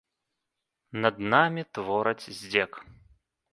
Над намі твораць здзек.